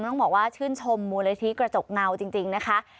ต้องบอกว่าชื่นชมมูลนิธิกระจกเงาจริงนะคะ